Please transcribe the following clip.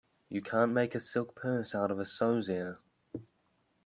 You can't make a silk purse out of a sow's ear.